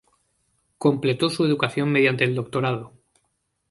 Completó su educación mediante el doctorado.